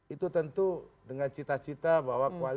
itu tentu dengan cita cita bahwa koalisi yang diberikan